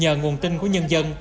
nhờ nguồn tin của nhân dân